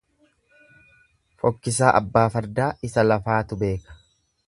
Fokkisaa abbaa fardaa isa lafaatu beeka.